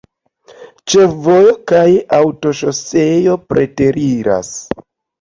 Ĉefvojo kaj aŭtoŝoseo preteriras.